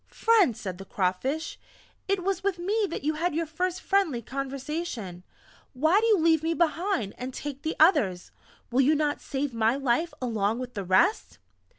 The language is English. "Friend," said the Crawfish, "it was with me that you had your first friendly conversation why do you leave me behind, and take the others? Will you not save my life along with the rest?"